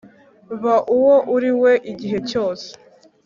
ba uwo uri we igihe cyose,